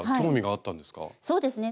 そうですね。